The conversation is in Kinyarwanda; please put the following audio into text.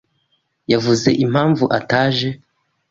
yavuze impamvu ataje?